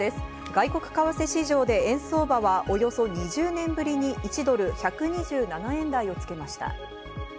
外国為替市場で円相場はおよそ２０年ぶりに１ドル＝１２７円台をつけました。